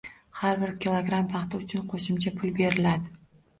Har bir kilogramm paxta uchun qoʻshimcha pul beriladi.